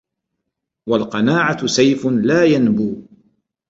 وَالْقَنَاعَةُ سَيْفٌ لَا يَنْبُو